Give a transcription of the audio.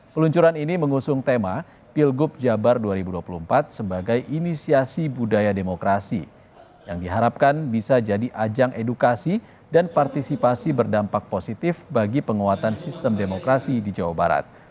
peluncuran ini mengusung tema pilgub jabar dua ribu dua puluh empat sebagai inisiasi budaya demokrasi yang diharapkan bisa jadi ajang edukasi dan partisipasi berdampak positif bagi penguatan sistem demokrasi di jawa barat